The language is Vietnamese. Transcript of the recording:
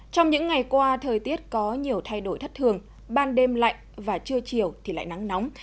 trong những ngày qua thời tiết có nhiều thay đổi thất thường ban đêm lạnh và trưa chiều thì lại nắng nóng